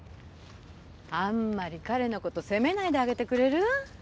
あんまり彼の事責めないであげてくれる？